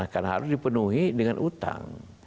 karena harus dipenuhi dengan utang